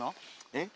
えっ？